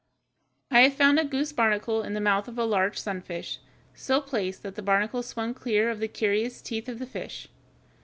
I have found a goose barnacle in the mouth of a large sunfish, so placed that the barnacle swung clear of the curious teeth of the fish.